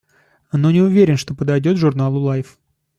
Но не уверен, что подойдет журналу «Лайф».